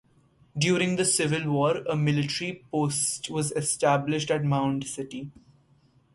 During the Civil War, a military post was established at Mound City.